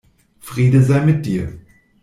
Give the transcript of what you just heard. Friede sei mit dir!